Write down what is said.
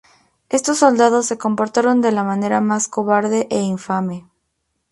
Estos soldados se comportaron de la manera más cobarde e infame.